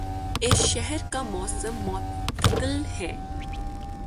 اس شہر کا موسم معتدل ہے